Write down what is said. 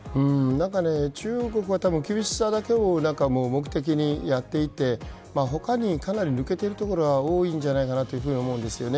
中国は厳しさだけを目的にやっていて他に、かなり抜けているところが多いんじゃないかなと思うんです。